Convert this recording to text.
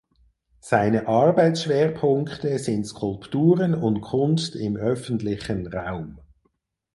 Seine Arbeitsschwerpunkte sind Skulpturen und Kunst im öffentlichen Raum.